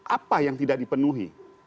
apa yang tidak dipenuhi